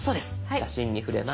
「写真」に触れます。